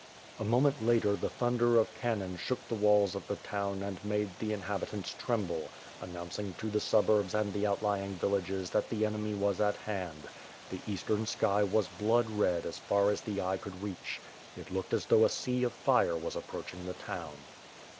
A moment later, the thunder of cannon shook the walls of the town and made the inhabitants tremble, announcing to the suburbs and the outlying villages that the enemy was at hand. The eastern sky was blood red as far as the eye could reach. It looked as though a sea of fire was approaching the town.